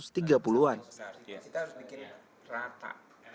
kita harus bikin rata